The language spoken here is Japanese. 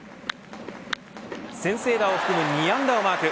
先制打を含む２安打をマーク。